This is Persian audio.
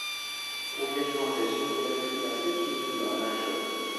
او یک ماه رژیم گرفت و سه کیلو لاغر شد.